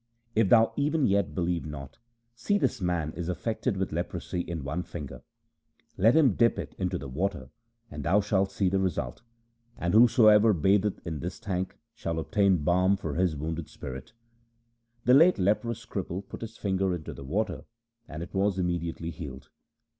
If thou even yet believe not, see this man is affected with leprosy in one finger. Let him dip it into the water, and thou shalt see the result. And whoever batheth in this tank shall obtain balm for his wounded spirit !' The late leprous cripple put his finger into the water and it was immediately healed.